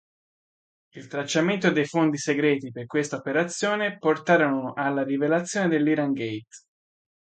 Il tracciamento dei fondi segreti per questa operazione portarono alla rivelazione dell'Irangate.